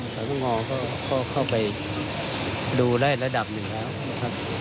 สตงก็เข้าไปดูได้ระดับหนึ่งแล้วนะครับ